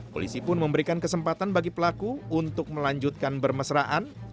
polisi pun memberikan kesempatan bagi pelaku untuk melanjutkan bermesraan